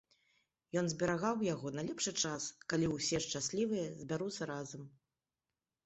Ён зберагаў яго на лепшы час, калі ўсе, шчаслівыя, збяруцца разам.